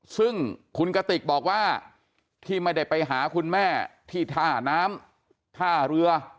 ซึ่งคุณกติกบอกว่าที่ไม่ได้ไปหาคุณแม่ที่ท่าน้ำท่าเรือ